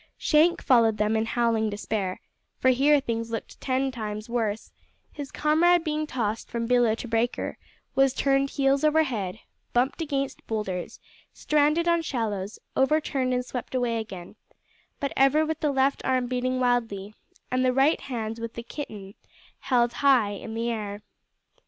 Shank followed them in howling despair, for here things looked ten times worse: his comrade being tossed from billow to breaker, was turned heels over head, bumped against boulders, stranded on shallows, overturned and swept away again but ever with the left arm beating wildly, and the right hand with the kitten, held high in air.